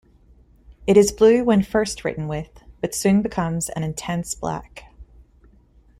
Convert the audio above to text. It is blue when first written with, but soon becomes an intense black.